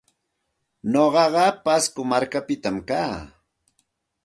Nuqaqa Pasco markapita kaa.